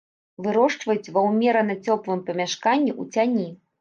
Вырошчваюць ва ўмерана цёплым памяшканні ў цяні.